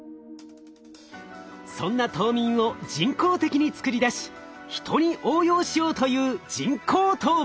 そんな冬眠を人工的につくり出しヒトに応用しようという人工冬眠。